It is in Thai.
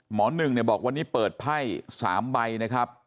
หนึ่งเนี่ยบอกวันนี้เปิดไพ่๓ใบนะครับ